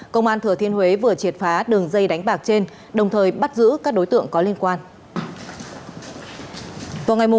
công an thừa thiên huế vừa triệt phá đường dây đánh bạc trên đồng thời bắt giữ các đối tượng có liên quan